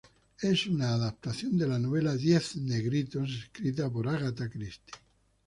Es una adaptación de la novela "Diez negritos", escrita por Agatha Christie.